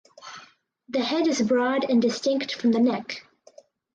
The head is broad and distinct from the neck.